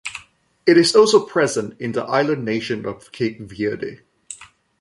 It is also present in the island nation of Cape Verde.